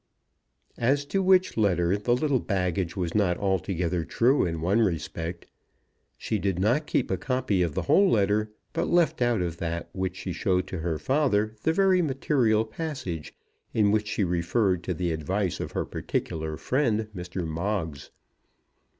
As to which letter the little baggage was not altogether true in one respect. She did not keep a copy of the whole letter, but left out of that which she showed to her father the very material passage in which she referred to the advice of her particular friend, Mr. Moggs.